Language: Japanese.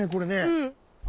うん。